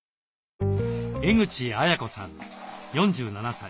江口綾子さん４７歳。